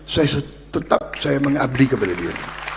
saya tetap saya mengabdi kepada dia